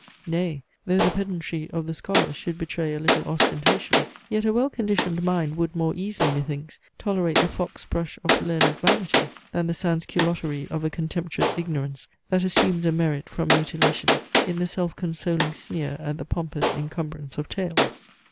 Nay, though the pedantry of the scholar should betray a little ostentation, yet a well conditioned mind would more easily, methinks, tolerate the fox brush of learned vanity, than the sans culotterie of a contemptuous ignorance, that assumes a merit from mutilation in the self consoling sneer at the pompous incumbrance of tails.